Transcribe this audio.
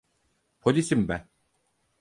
Polisim ben.